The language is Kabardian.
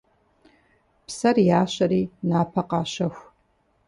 Псэр ящэри напэ къащэху.